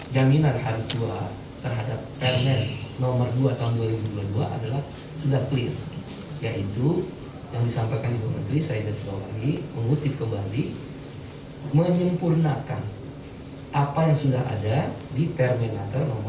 yang baru telah mengakomodir kepentingan pekerja